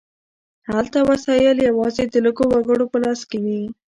هلته وسایل یوازې د لږو وګړو په لاس کې وي.